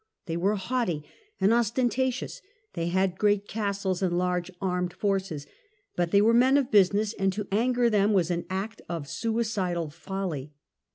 They were haughty and ostentatious; they had great castles and large armed forces; but they were men of business, and to anger them was an act of suicidal folly.